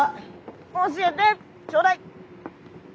教えてちょうだい！